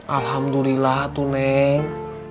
alhamdulillah tuh neng